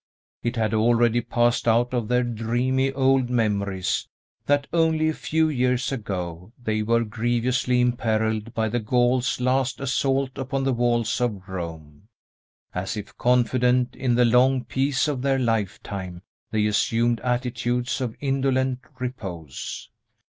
It had already passed out of their dreamy old memories that only a few years ago they were grievously imperilled by the Gaul's last assault upon the walls of Rome. As if confident in the long peace of their lifetime, they assumed attitudes of indolent repose.